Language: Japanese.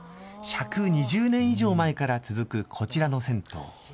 １２０年以上前から続くこちらの銭湯。